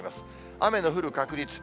雨の降る確率。